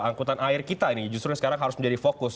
angkutan air kita ini justru yang sekarang harus menjadi fokus